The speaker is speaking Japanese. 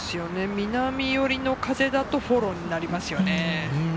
南寄りの風だとフォローになりますよね。